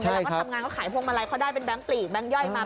ใช่ค่ะต้องการทำงานขายพวงเมลัยเขาได้เป็นแบงก์ปลีกแบงก์ย่อยมา